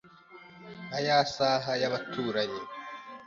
Nka ya saha y'abaturanyi